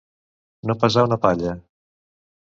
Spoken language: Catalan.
No pesar una palla.